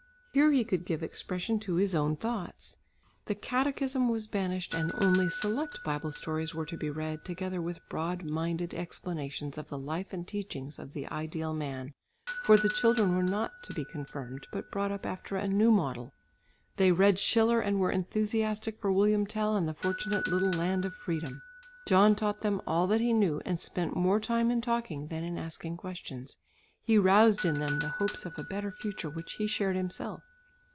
Here he could give expression to his own thoughts. The catechism was banished, and only select Bible stories were to be read together with broad minded explanations of the life and teachings of the Ideal Man, for the children were not to be confirmed, but brought up after a new model. They read Schiller and were enthusiastic for William Tell and the fortunate little land of freedom. John taught them all that he knew and spent more time in talking than in asking questions; he roused in them the hopes of a better future which he shared himself.